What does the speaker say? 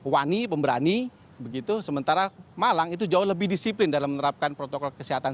wani pemberani begitu sementara malang itu jauh lebih disiplin dalam menerapkan protokol kesehatan